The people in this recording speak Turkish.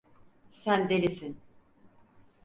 Sen delisin!